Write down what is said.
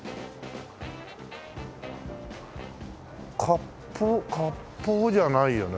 割烹割烹じゃないよね。